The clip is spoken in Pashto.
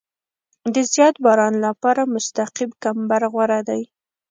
د زیات باران لپاره مستقیم کمبر غوره دی